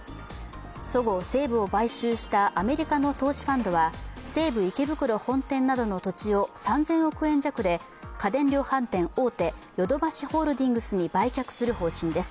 そごう・西武を買収したアメリカの投資ファンドは西武池袋本店などの土地を３０００億円弱で家電量販店大手、ヨドバシホールディングスに売却する方針です。